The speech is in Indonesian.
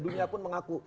dunia pun mengaku